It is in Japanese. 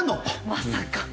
まさか。